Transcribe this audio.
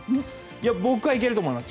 僕はいけると思います。